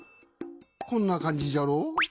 こんな感じじゃろ。